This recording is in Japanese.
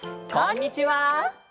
こんにちは！